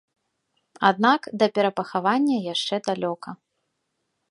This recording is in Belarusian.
Аднак да перапахавання яшчэ далёка.